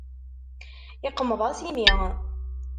Yeqmeḍ-as imi.